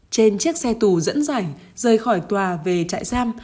trên chiếc xe tù dẫn rảnh rời khỏi tòa về trại giam